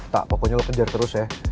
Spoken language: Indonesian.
tak pokoknya lu kejar terus ya